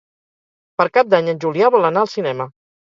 Per Cap d'Any en Julià vol anar al cinema.